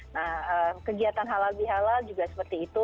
nah kegiatan halal bihalal juga seperti itu